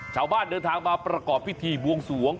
ชาวบ้านเดินทางมาประกอบพิธีบวงสวง